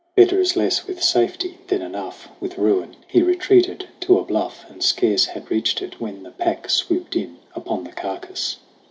Better is less with safety, than enough With ruin. He retreated to a bluff, And scarce had reached it when the pack swooped in Upon the carcass.